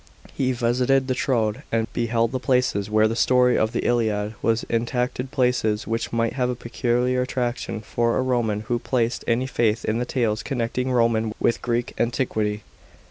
He visaed the Troad and beheld the places where the story of the Iliad was enacted — places which might have a peculiar attraction for a Roman who placed any faith in the tales connecting Koman with Greek antiquity.